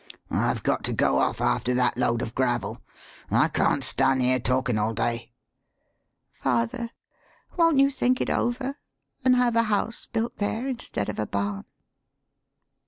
I've got to go off after that load of gravel. I can't stan' here talkin' all day." " Father, won't you think it over, an' have a house built there instead of a barn?"